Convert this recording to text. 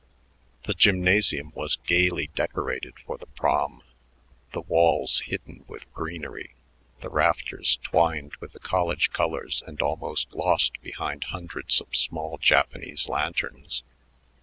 The gymnasium was gaily decorated for the Prom, the walls hidden with greenery, the rafters twined with the college colors and almost lost behind hundreds of small Japanese lanterns.